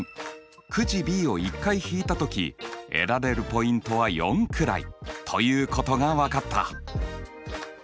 くじＢを１回引いた時得られるポイントは４くらいということが分かった。